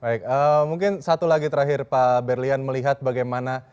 baik mungkin satu lagi terakhir pak berlian melihat bagaimana